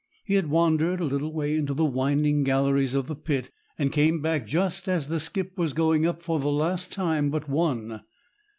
He had wandered a little way into the winding galleries of the pit, and came back just as the skip was going up for the last time but one.